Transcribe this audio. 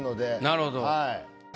なるほど。